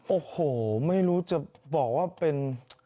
โอ้โหไม่รู้จะบอกว่าเป็น